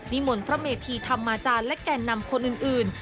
นิมนต์พระเมธีทำมาจานและแก่นำคนอื่น